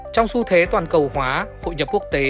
trong xu thế toàn cầu hóa hội nhập quốc tế